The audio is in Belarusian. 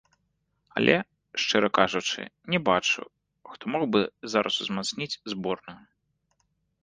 Але, шчыра кажучы, не бачу, хто мог бы зараз узмацніць зборную.